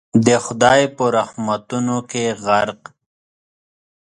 د خدای په رحمتونو کي غرق